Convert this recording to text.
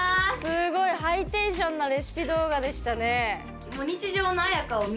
すごいハイテンションなレシピ動画でしたね。